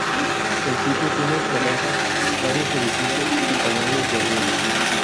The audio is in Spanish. El sitio tiene terrazas, varios edificios y canales de riego.